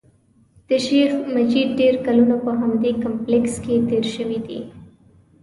د شیخ مجید ډېر کلونه په همدې کمپلېکس کې تېر شوي دي.